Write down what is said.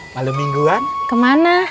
malam mingguan kemana